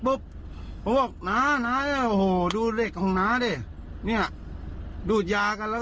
ปุ๊บผมบอกน้าน้าโหดูเล็กของน้าดิเนี่ยดูดยากันแล้ว